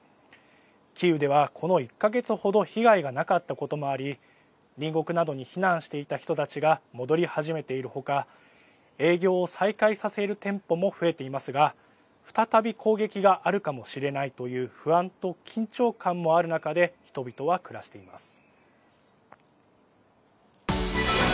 キーウでは、この１か月ほど被害がなかったこともあり隣国などに避難していた人たちが戻り始めているほか営業を再開させる店舗も増えていますが再び攻撃があるかもしれないという不安と緊張感もある中で人々は暮らしています。